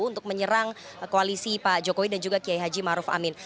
untuk menyerang koalisi pak jokowi dan juga kiai haji maruf amin